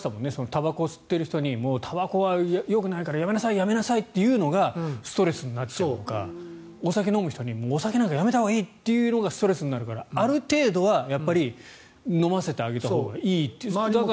たばこを吸っている人にたばこはよくないからやめなさい、やめなさいと言うのがストレスになっていくとかお酒飲む人にお酒飲むのやめたほうがいいというのがストレスになるから、ある程度は飲ませてあげたほうがいいと。